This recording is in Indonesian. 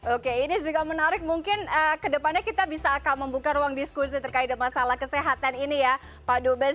oke ini juga menarik mungkin kedepannya kita bisa akan membuka ruang diskusi terkait masalah kesehatan ini ya pak dubes